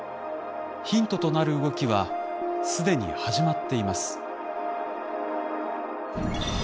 ヒントとなる動きは既に始まっています。